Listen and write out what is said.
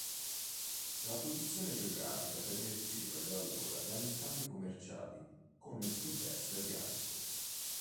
La posizione geografica permetteva già allora degli scambi commerciali con il Sudest asiatico.